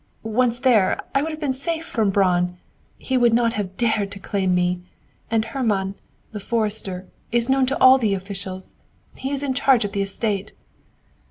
Once there I would have been safe from Braun. He would not have dared to claim me. And Hermann, the forester, is known to all the officials. He has charge of the estate.